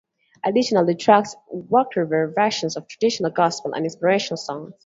Additional tracks were cover versions of traditional gospel and inspirational songs.